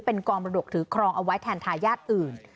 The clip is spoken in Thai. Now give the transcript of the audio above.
เป็นกองบรดกถือครองเอาไว้แทนทายาทอื่น